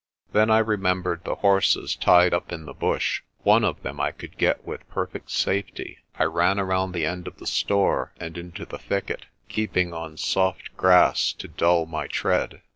Then I remembered the horses tied up in the bush. One of them I could get with perfect safety. I ran around the end of the store and into the thicket, keeping on soft grass to dull my tread.